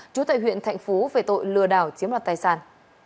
chú tệ huyện thạnh phú về tội lừa đảo chiếm đoạt tài sản